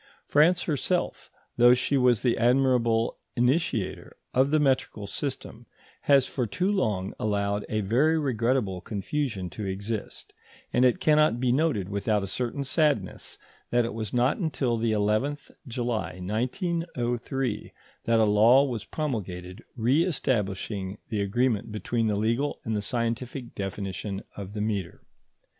France herself, though she was the admirable initiator of the metrical system, has for too long allowed a very regrettable confusion to exist; and it cannot be noted without a certain sadness that it was not until the 11th July 1903 that a law was promulgated re establishing the agreement between the legal and the scientific definition of the metre.